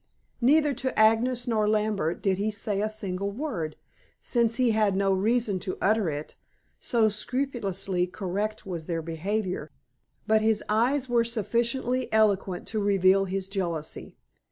Neither to Agnes nor Lambert did he say a single word, since he had no reason to utter it, so scrupulously correct was their behavior, but his eyes were sufficiently eloquent to reveal his jealousy.